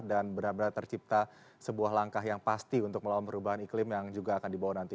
dan benar benar tercipta sebuah langkah yang pasti untuk melawan perubahan iklim yang juga akan dibawa nanti